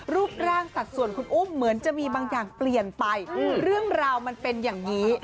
รูปร่างสัดส่วนคุณอุ้มเหมือนจะมีบางอย่างเปลี่ยนไปเรื่องราวมันเป็นอย่างนี้